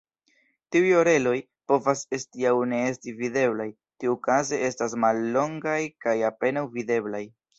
Tiuj "oreloj" povas esti aŭ ne esti videblaj, tiukaze estas mallongaj kaj apenaŭ videblaj.